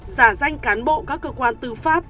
giả danh cán bộ các cơ quan tư pháp